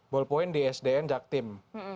ballpoint di sdn jaktim